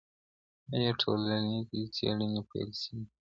ايا ټولنيزې څېړنې پيل سوې؟